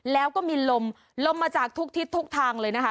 แล้วก็มีลมลมมาจากทุกทิศทุกทางเลยนะคะ